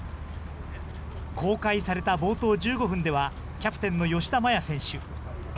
公開された冒頭１５分では、キャプテンの吉田麻也選手。